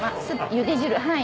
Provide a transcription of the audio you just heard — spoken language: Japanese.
茹で汁はい。